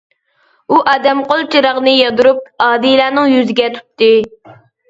ئۇ ئادەم قول چىراغنى ياندۇرۇپ ئادىلەنىڭ يۈزىگە تۇتتى.